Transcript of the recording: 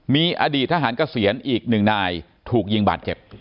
มีอดีตทหารเกษียณอีกหนึ่งนายถูกยิงบาดเจ็บ